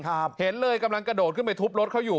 เห็นเลยกำลังกระโดดขึ้นไปทุบรถเขาอยู่